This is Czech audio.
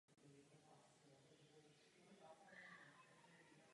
Jenom je obelháváte; je to podvod a lidem to dochází.